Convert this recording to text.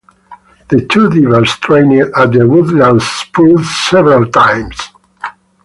The two divers trained at the Woodland's Pool several times.